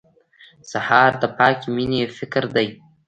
سهار د پاکې مېنې فکر دی.